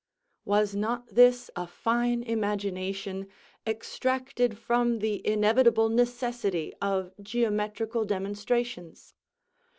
Was not this a fine imagination, extracted from the inevitable necessity of geometrical demonstrations?